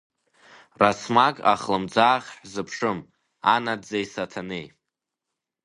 Расмаг ахлымӡаах ҳзыԥшым, анаӡӡеи Саҭанеи!